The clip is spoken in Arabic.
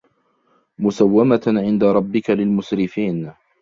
مسومة عند ربك للمسرفين